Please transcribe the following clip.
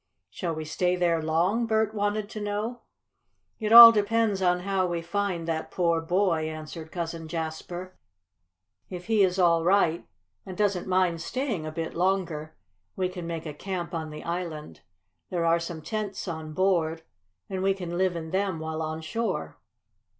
"Shall we stay there long?" Bert wanted to know. "It all depends on how we find that poor boy," answered Cousin Jasper. "If he is all right, and doesn't mind staying a little longer, we can make a camp on the island. There are some tents on board and we can live in them while on shore."